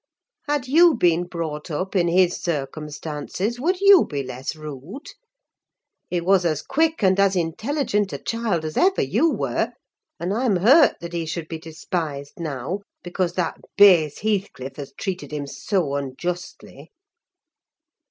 Had you been brought up in his circumstances, would you be less rude? He was as quick and as intelligent a child as ever you were; and I'm hurt that he should be despised now, because that base Heathcliff has treated him so unjustly."